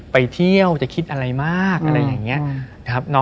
ไปเที่ยวจะคิดอะไรมากอะไรอย่างนี้ครับ